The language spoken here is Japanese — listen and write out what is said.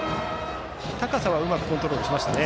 高さはうまくコントロールしました。